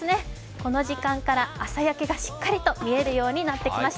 この時間から朝焼けがしっかりと見えるようになってきました。